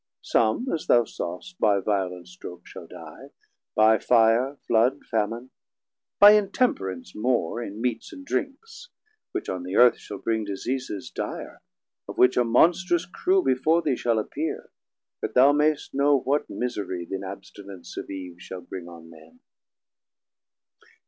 470 Some, as thou saw'st, by violent stroke shall die, By Fire, Flood, Famin, by Intemperance more In Meats and Drinks, which on the Earth shal bring Diseases dire, of which a monstrous crew Before thee shall appear; that thou mayst know What miserie th' inabstinence of Eve Shall bring on men.